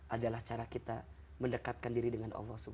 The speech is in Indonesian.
adalah cara kita mendekatkan diri dengan allah swt